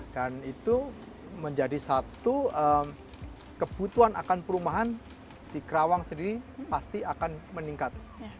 dan itu menjadi satu kebutuhan akan perumahan di karawang sendiri pasti akan meningkat